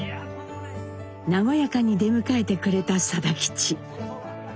和やかに出迎えてくれた定吉。